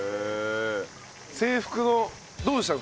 制服の。